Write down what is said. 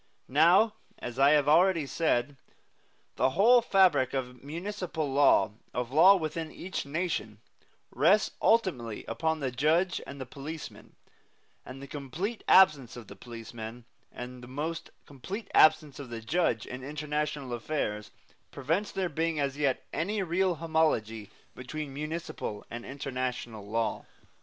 Now, as I have already said, the whole fabric of municipal law, of law within each nation, rests ultimately upon the judge and the policeman; and the complete absence of the policeman, and the almost complete absence of the judge, in international affairs, prevents there being as yet any real homology between municipal and international law.